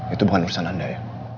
itu bukan urusan anda ya